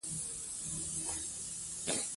طبیعت د رواني آرامۍ مرسته کوي.